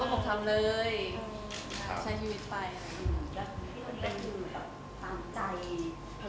เขาก็คบทำเลยใช้ชีวิตไป